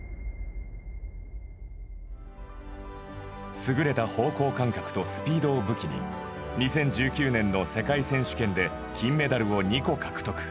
優れた方向感覚とスピードを武器に２０１９年の世界選手権で金メダルを２個獲得。